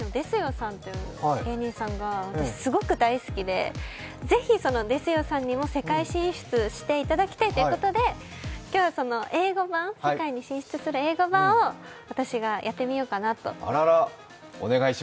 さんの芸が私、すごく大好きで、ぜひ、ですよさんにも世界進出していただきたいということで、今日はその英語版世界に進出する英語版を私がやってみようかなと。